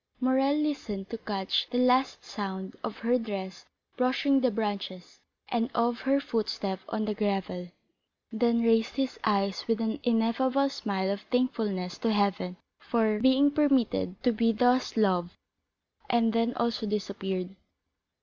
Morrel listened to catch the last sound of her dress brushing the branches, and of her footstep on the gravel, then raised his eyes with an ineffable smile of thankfulness to heaven for being permitted to be thus loved, and then also disappeared.